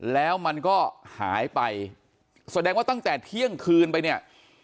แล้วมันก็หายไปแสดงว่าตั้งแต่เที่ยงคืนไปเนี่ย